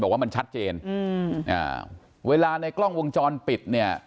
บอกว่ามันชัดเจนเวลาในกล้องวงจรปิด